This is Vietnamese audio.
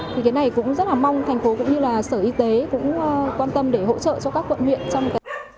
thì cái này cũng rất là mong thành phố cũng như là sở y tế cũng quan tâm để hỗ trợ cho các quận huyện trong cả